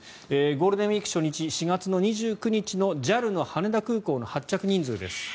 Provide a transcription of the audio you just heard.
ゴールデンウィーク初日４月２９日のＪＡＬの羽田空港の発着人数です。